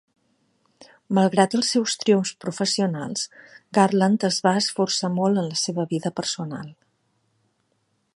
Malgrat els seus triomfs professionals, Garland es va esforçar molt en la seva vida personal.